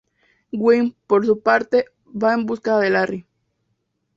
Gwen, por su parte, va en búsqueda de Larry.